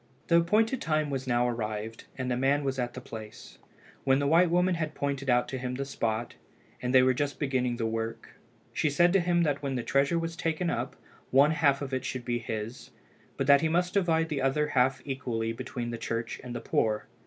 The appointed time was now arrived, and the man was at the place. When the white woman had pointed out to him the spot, and they were just beginning the work, she said to him that when the treasure was taken up one half of it should be his, but that he must divide the other half equally between the church and the poor.